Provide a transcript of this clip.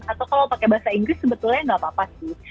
atau kalau pakai bahasa inggris sebetulnya nggak apa apa sih